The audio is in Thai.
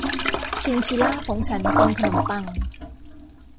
ชินชิล่าของฉันกินขนมปัง